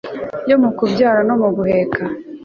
yo mu kubyara no mu guheka